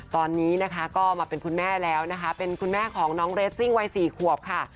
ตอนนี้นะคะก็มาเป็นคุณแม่แล้วนะคะเป็นคุณแม่ของน้องเรสซิ่งวัย๔ขวบค่ะ